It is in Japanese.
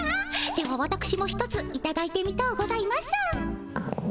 ではわたくしも一ついただいてみとうございます。